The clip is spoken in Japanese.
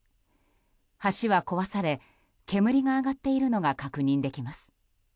橋は壊され煙が上がっているのが確認できます。